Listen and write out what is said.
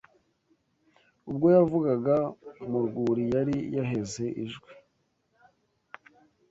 Ubwo yavugaga mu rwuri yari yaheze ijwi